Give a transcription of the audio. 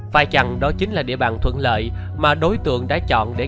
bây giờ đó chính là địa bàn thuận lợi mà đối tượng đã chọn để gây án